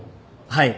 はい。